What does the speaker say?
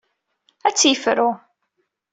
Ad tt-yefru.